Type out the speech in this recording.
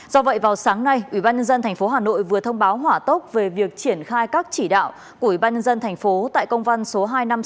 do vậy vào sáng nay ủy ban nhân dân tp hà nội vừa thông báo hỏa tốc về việc triển khai các chỉ đạo của ủy ban nhân dân tp hà nội tại công văn số hai nghìn năm trăm sáu mươi hai